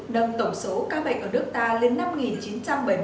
nâng tổng số ca bệnh ở nước ta lên năm chín trăm bảy mươi ca